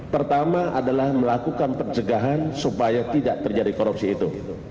pertama adalah melakukan pencegahan supaya tidak terjadi korupsi itu